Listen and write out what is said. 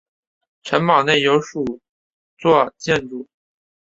城堡内有数座建筑。